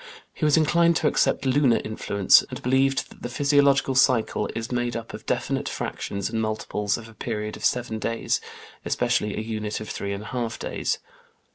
He was inclined to accept lunar influence, and believed that the physiological cycle is made up of definite fractions and multiples of a period of seven days, especially a unit of three and a half days.